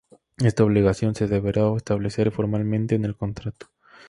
Esta obligación se deberá establecer formalmente en el contrato.